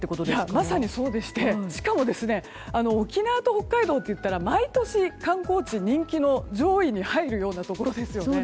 まさにそうでしてしかも沖縄と北海道は毎年、観光地人気の上位に入るところですね。